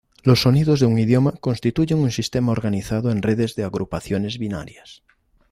Los sonidos de un idioma constituyen un sistema organizado en redes de agrupaciones binarias.